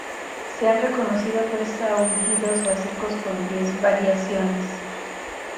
Se han reconocido tres aullidos básicos con diez variaciones.